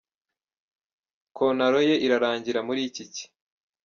Kontaro ye irarangira muri iri ki.